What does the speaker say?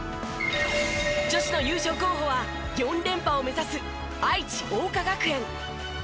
女子の優勝候補は４連覇を目指す愛知桜花学園。